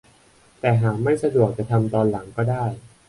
แต่หากไม่สะดวกจะทำตอนหลังก็ได้